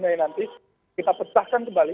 dua puluh mei nanti kita pecahkan kembali